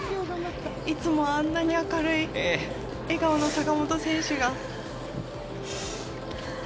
いつもあんなに明るい笑顔の坂本選手が。